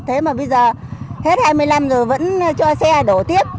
thế mà bây giờ hết hai mươi năm giờ vẫn cho xe đổ tiếp